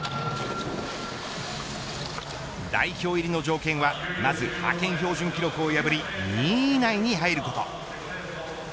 代表入りの条件はまず派遣標準記録を破り２位以内に入ること。